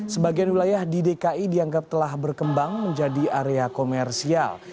sebagian wilayah di dki dianggap telah berkembang menjadi area komersial